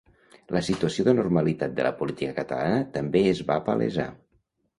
La situació d’anormalitat de la política catalana també es va palesar.